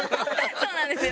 そうなんですよ。